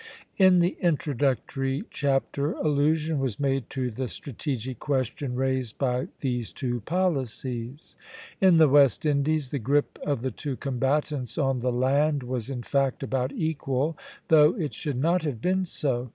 In the introductory chapter allusion was made to the strategic question raised by these two policies. In the West Indies the grip of the two combatants on the land was in fact about equal, though it should not have been so.